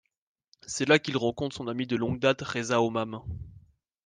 C'est la qu'il rencontre son ami de longue date Reza Homam.